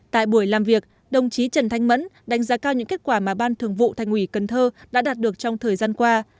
tại buổi làm việc đồng chí trần thanh mẫn đánh giá cao những kết quả mà ban thường vụ thành ủy cần thơ đã đạt được trong thời gian qua